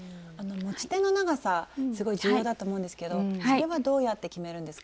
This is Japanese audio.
持ち手の長さすごい重要だと思うんですけどそれはどうやって決めるんですか？